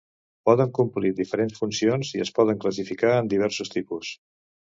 Poden complir diferents funcions i es poden classificar en diversos tipus.